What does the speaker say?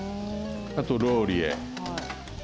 あとは、ローリエ。